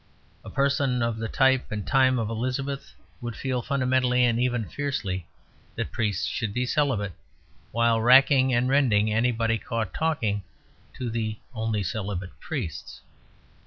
A person of the type and time of Elizabeth would feel fundamentally, and even fiercely, that priests should be celibate, while racking and rending anybody caught talking to the only celibate priests.